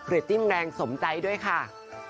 ติ้งแรงสมใจด้วยค่ะ